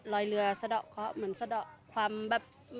รอยเรือสะดอกเคาะเหมือนสะดอกความแบบ